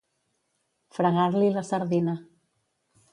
Fregar-li la sardina.